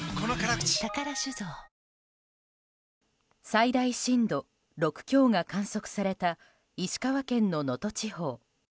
最大震度６強が観測された石川県の能登地方。